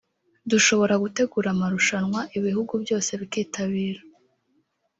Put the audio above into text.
dushobora gutegura amarushanwa ibihugu byose bikitabira